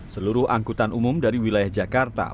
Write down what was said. seluruh angkutan umum dari wilayah jakarta